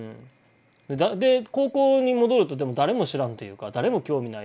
で高校に戻るとでも誰も知らんというか誰も興味ないし。